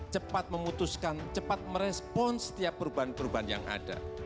cepat memutuskan cepat merespon setiap perubahan perubahan yang ada